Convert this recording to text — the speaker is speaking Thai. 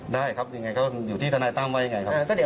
ได้ครับอย่างไรเขาอยู่ที่ธนัยตั้มไว้ครับ